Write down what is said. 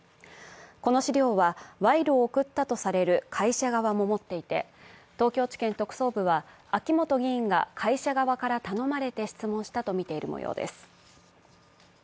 この資料は賄賂を送ったとされる会社側も持っていて、東京地検特捜部は秋本議員が会社側から頼まれて質問したとみているもようです。